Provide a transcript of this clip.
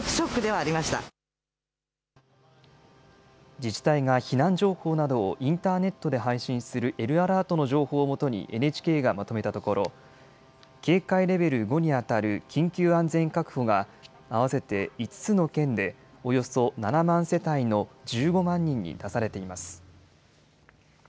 自治体が避難情報などをインターネットで配信するＬアラートの情報をもとにＮＨＫがまとめたところ警戒レベル５にあたる緊急安全確保が合わせて５つの県でおよそ７万世帯の１５万人に出されています。